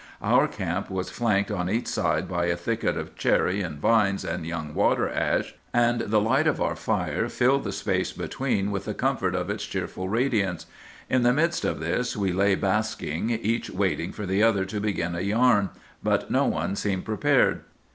"Our camp was flanked on each side by a thicket of cherry and vines and young water ash, and the light of our fire filled the space between with the comfort of its cheerful radiance. In the midst of this we lay basking, each waiting for the other to begin a yarn; but no one seemed prepared.